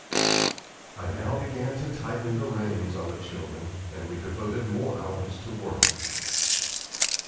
I now began to tighten the reins on the children, and we all devoted more hours to work.